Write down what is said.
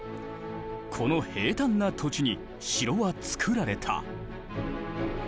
この平坦な土地に城はつくられた。